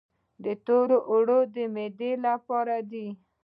تور اوړه د معدې لپاره دي.